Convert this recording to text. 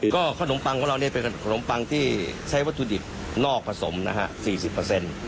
ก็ขนมปังของเรามันเป็นขนมปังที่ใช้วัตถุดิบนอกผสมนะฮะ๔๐